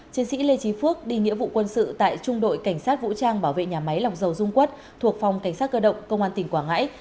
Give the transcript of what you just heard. chiến sĩ lê trí phước đi nghĩa vụ quân sự tại trung đội cảnh sát vũ trang bảo vệ nhà máy lọc dầu dung quất thuộc phòng cảnh sát cơ động công an tỉnh quảng ngãi